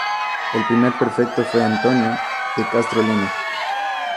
El primer prefecto fue Antônio de Castro Lima.